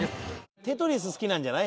『テトリス』好きなんじゃない？